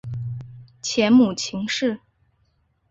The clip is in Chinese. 前母秦氏。